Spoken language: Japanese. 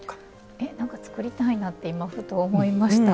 何か作りたいなって今ふと思いました。